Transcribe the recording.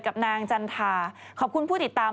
กับนางจันทาขอบคุณผู้ติดตาม